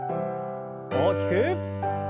大きく。